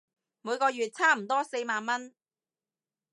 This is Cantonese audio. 每個月差唔多四萬文